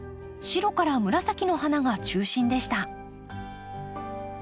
白から紫の花が中心でした。